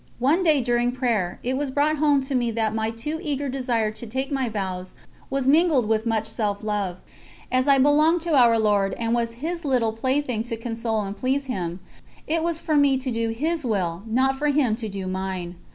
_ One day during prayer, it was brought home to me that my too eager desire to take my vows was mingled with much self love; as I belonged to Our Lord and was His little plaything to console and please Him, it was for me to do His Will, not for Him to do mine.